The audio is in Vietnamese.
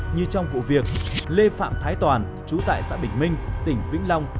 như trong vụ việc lê phạm thái toàn chú tại xã bình minh tỉnh vĩnh long